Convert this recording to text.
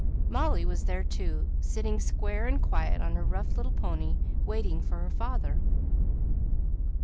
Molly was there too, sitting square and quiet on her rough little pony, waiting for her father.